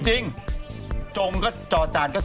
จริงจงก็จอจานก็